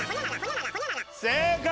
正解！